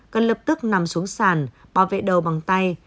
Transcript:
cần lập tức nằm xuống sàn bảo vệ đầu bằng tay